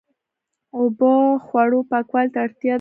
اوبه د خوړو پاکوالي ته اړتیا لري.